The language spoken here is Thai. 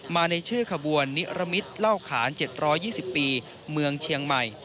มาในชื่อขบวนนิรมิตเล่าขาน๗๒๐ปีเมืองเชียงใหม่